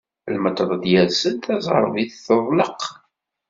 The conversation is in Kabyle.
Lmetred yers-d, taẓerbit teḍleq.